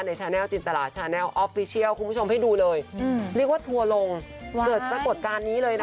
ชาแนลจินตราชาแนลออฟฟิเชียลคุณผู้ชมให้ดูเลยเรียกว่าทัวร์ลงเกิดปรากฏการณ์นี้เลยนะคะ